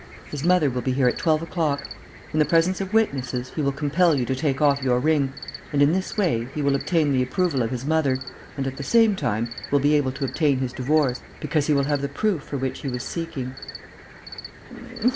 His mother will be here at twelve o'clock. In the presence of witnesses, he will compel you to take off your ring; and, in this way, he will obtain the approval of his mother and, at the same time, will be able to obtain his divorce, because he will have the proof for which he was seeking."